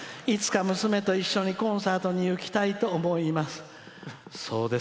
いつか娘と一緒にコンサートに行きたいと思います。